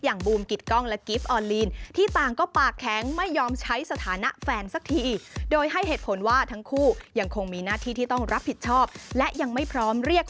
อย่างบูมกิตกล้องและกิฟต์ออนลีน